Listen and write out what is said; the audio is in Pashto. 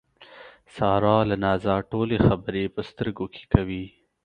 ساره له نازه ټولې خبرې په سترګو کې کوي.